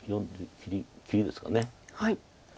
切りですかね。